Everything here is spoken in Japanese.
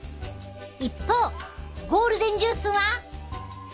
一方ゴールデンジュースは。